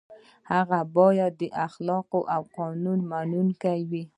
هغه باید با اخلاقه او قانون منونکی وي.